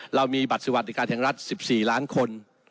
เรามีบัตรสวัสดิการแห่งรัฐ๑๔ล้านคน